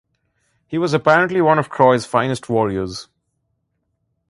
He was apparently one of Troy's finest warriors.